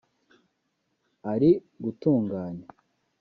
ari gutunganya